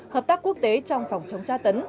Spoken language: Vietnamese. hợp tác quốc tế trong phòng chống tra tấn